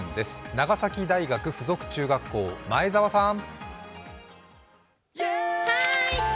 長崎大学附属中学校・前沢さん。